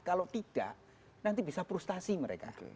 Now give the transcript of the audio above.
kalau tidak nanti bisa frustasi mereka